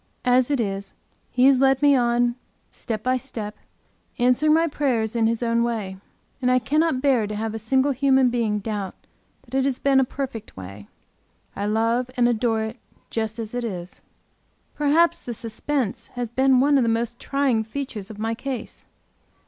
As it is He has led me on, step by step, answering my prayers in His own way; and I cannot bear to have a single human being doubt that it has been a perfect way. I love and adore it just as it is. Perhaps the suspense has been one of the most trying features of my case.